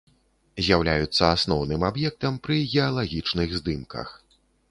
З'яўляюцца асноўным аб'ектам пры геалагічных здымках.